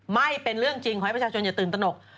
ไม่เป็นเรื่องจริงขอให้ประชาชนอย่าตื่นตนก